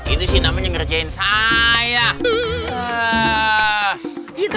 itu sih namanya ngerjain saya